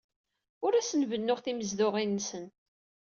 Ur asen-bennuɣ tinezduɣin-nsen.